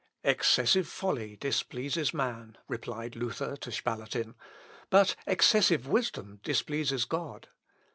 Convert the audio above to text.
"Excessive folly displeases man," replied Luther to Spalatin, "but excessive wisdom displeases God.